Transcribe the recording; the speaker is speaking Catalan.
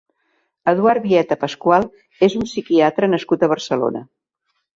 Eduard Vieta Pascual és un psiquiatre nascut a Barcelona.